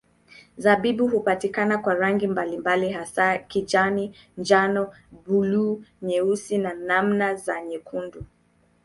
Zabibu hupatikana kwa rangi mbalimbali hasa kijani, njano, buluu, nyeusi na namna za nyekundu.